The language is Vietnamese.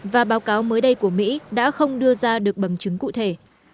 và báo cáo mới đây của mỹ đã không đưa ra được bằng chứng cụ thể